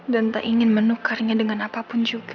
dan tak ingin menukarnya dengan apapun juga